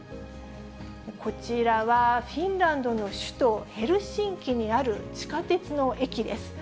こちらは、フィンランドの首都ヘルシンキにある地下鉄の駅です。